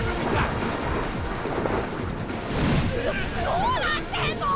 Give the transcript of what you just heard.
どうなってんの！？